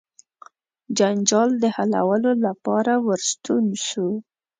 جنجال د حلولو لپاره ورستون سو.